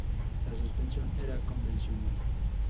La suspensión era convencional.